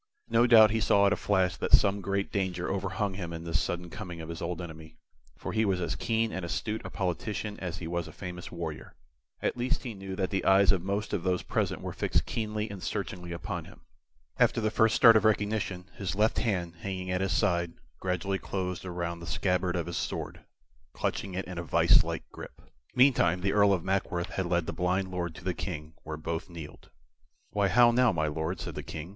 No doubt he saw at a flash that some great danger overhung him in this sudden coming of his old enemy, for he was as keen and as astute a politician as he was a famous warrior. At least he knew that the eyes of most of those present were fixed keenly and searchingly upon him. After the first start of recognition, his left hand, hanging at his side, gradually closed around the scabbard of his sword, clutching it in a vice like grip. Meantime the Earl of Mackworth had led the blind Lord to the King, where both kneeled. "Why, how now, my Lord?" said the King.